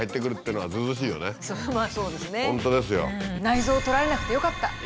内臓取られなくてよかった。